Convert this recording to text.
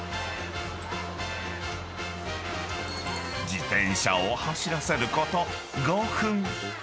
［自転車を走らせること］